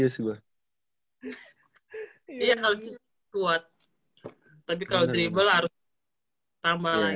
iya lebih kuat tapi kalau dribble harus ditambah lagi